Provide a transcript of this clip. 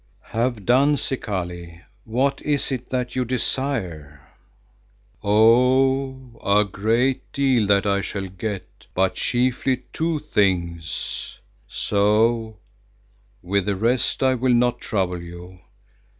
"Have done, Zikali. What is it that you desire?" "Oh! a great deal that I shall get, but chiefly two things, so with the rest I will not trouble you.